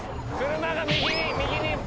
車が右に。